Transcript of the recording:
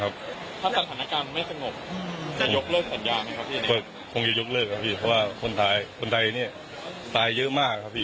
หากบอกว่าอะไรครับให้ไปรับคนไทยกลับด้วยนะครับพี่